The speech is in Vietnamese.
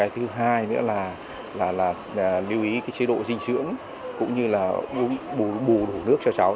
thứ hai nữa là lưu ý chế độ dinh dưỡng cũng như là bù bù đủ nước cho cháu